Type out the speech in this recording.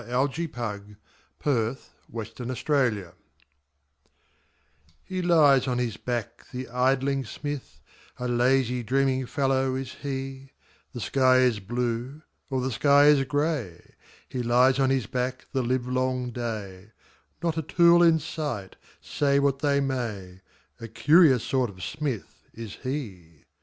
Helen Hunt Jackson The Poet's Forge HE lies on his back, the idling smith, A lazy, dreaming fellow is he; The sky is blue, or the sky is gray, He lies on his back the livelong day, Not a tool in sight, say what they may, A curious sort of smith is he.